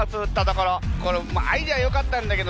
これアイデアよかったんだけどね